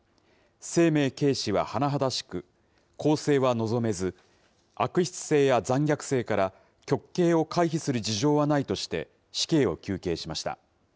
生命軽視は甚だしく、更生は望めず、悪質性や残虐性から極刑を回避する事情はないとして、死刑を求刑しました。